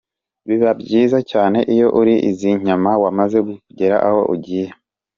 Biba byiza cyane iyo uriye izi nyama wamaze kugera aho ugiye.